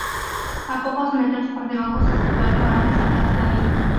A pocos metros por debajo se sitúa el faro de Santa Catalina.